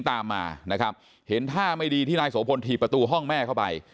ตามมานะครับเห็นท่าไม่ดีที่นายโสพลถีบประตูห้องแม่เข้าไป